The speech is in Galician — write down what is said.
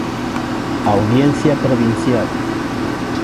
Audiencia Provincial.